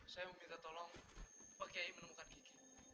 saya meminta tolong pak yai menemukan kiki